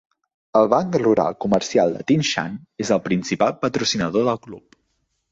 El Banc Rural-Comercial de Tianshan és el principal patrocinador del club.